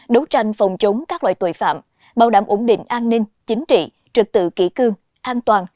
đấu tranh phòng chống các loại tội phạm bảo đảm ổn định an ninh chính trị trực tự kỹ cương an toàn